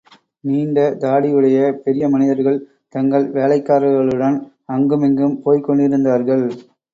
நீண்ட தாடியுடைய பெரிய மனிதர்கள், தங்கள் வேலைக்காரர்களுடன், அங்குமிங்கும் போய்க் கொண்டிருந்தார்கள்.